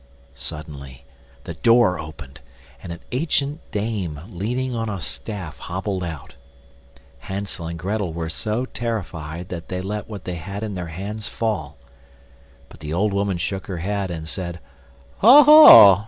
Suddenly the door opened, and an ancient dame leaning on a staff hobbled out. Hansel and Grettel were so terrified that they let what they had in their hands fall. But the old woman shook her head and said: "Oh, ho!